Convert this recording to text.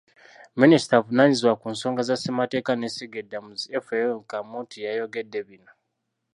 Minisita avunaanyizibwa ku nsonga za ssemateeka n'essiga eddamuzi, Ephraim Kamuntu ye yayogedde bino.